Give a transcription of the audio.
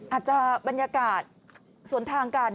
อาจจะบรรยากาศสวนทางกัน